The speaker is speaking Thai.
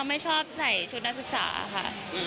ไม่ชอบใส่ชุดนักศึกษาค่ะ